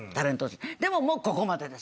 でももうここまでです。